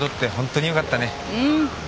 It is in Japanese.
うん。